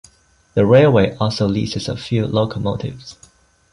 The railway also leases a few locomotives.